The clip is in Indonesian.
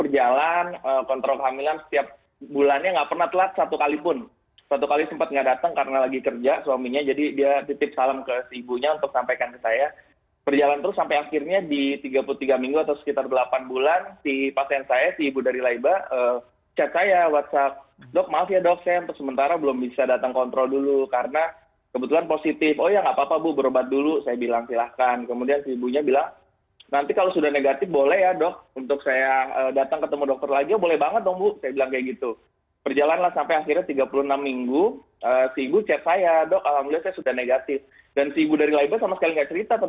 jangan lupa jangan lupa like share dan subscribe